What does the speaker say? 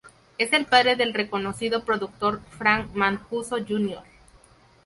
Es el padre del reconocido productor Frank Mancuso Jr.